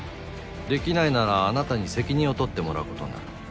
できないならあなたに責任を取ってもらうことになる。